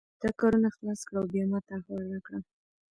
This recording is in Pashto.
دا کارونه خلاص کړه او بیا ماته احوال راکړه